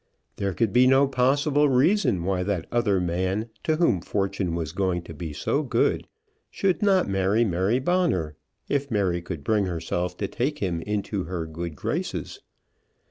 There could be no possible reason why that other man, to whom Fortune was going to be so good, should not marry Mary Bonner, if Mary could bring herself to take him into her good graces.